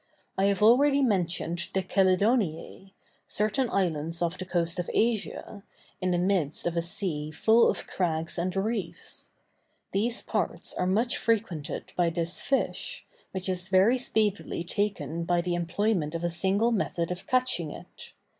I have already mentioned the Chelidoniæ, certain islands off the coast of Asia, in the midst of a sea full of crags and reefs. These parts are much frequented by this fish, which is very speedily taken by the employment of a single method of catching it.